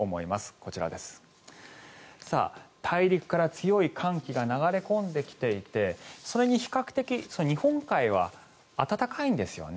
こちら、大陸から強い寒気が流れ込んできていてそれに比較的日本海は暖かいんですよね。